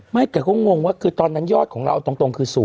ไม่แต่ก็งงว่าคือตอนนั้นยอดของเราตรงคือ๐